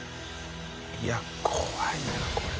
いや怖いなこれ。